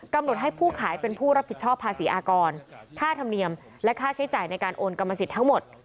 ให้ผู้ขายเป็นผู้รับผิดชอบภาษีอากรค่าธรรมเนียมและค่าใช้จ่ายในการโอนกรรมสิทธิ์ทั้งหมด